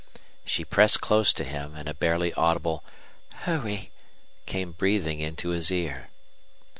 She pressed close to him, and a barely audible "Hurry!" came breathing into his ear.